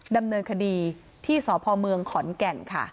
ดำเนินคดีที่สพเมืองขอนแก่นค่ะ